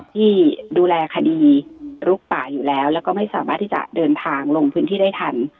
ที่ดูแลคดีลุกป่าอยู่แล้วแล้วก็ไม่สามารถที่จะเดินทางลงพื้นที่ได้ทัน